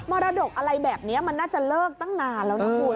รดกอะไรแบบนี้มันน่าจะเลิกตั้งนานแล้วนะคุณ